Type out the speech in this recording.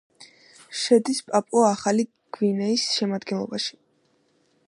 შედის პაპუა-ახალი გვინეის შემადგენლობაში.